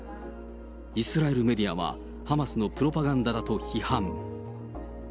イスラエルメディアは、ハマスのプロパガンダだと批判。